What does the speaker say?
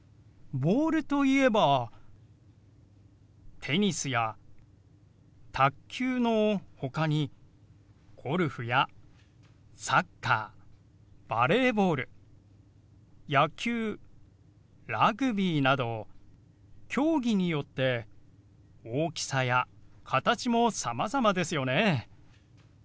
ボールといえばテニスや卓球のほかにゴルフやサッカーバレーボール野球ラグビーなど競技によって大きさや形もさまざまですよね。